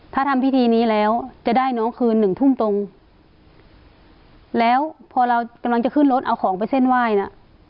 ถ้าทำพิธีนี้แล้วจะได้น้องคืนหนึ่งทุ่มตรงแล้วพอเรากำลังจะขึ้นรถเอาของไปเส้นไหว้น่ะ